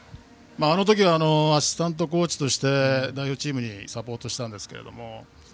あの時はアシスタントコーチとして代表チームをサポートしたんですが。